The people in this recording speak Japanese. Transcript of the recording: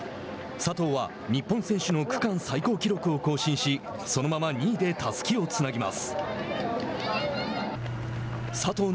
佐藤は日本選手の区間最高記録を更新しそのまま２位でたすきをつなぎます。